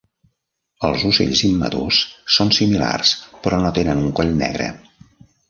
Els ocells immadurs són similars però no tenen un coll negre.